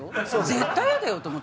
絶対イヤだよ！と思って。